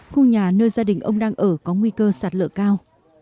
khu nhà nơi gia đình ông đang ở có nguy cơ sạt lở cao